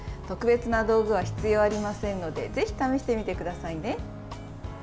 特別な道具は必要ありませんのでぜひ試してみてくださいね。